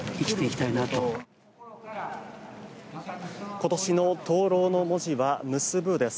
今年の灯ろうの文字は「むすぶ」です。